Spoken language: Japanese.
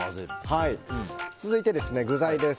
続いて、具材です。